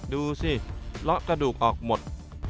ดูสิเลาะกระดูกออกหมด